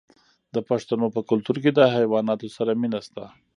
د پښتنو په کلتور کې د حیواناتو سره مینه شته.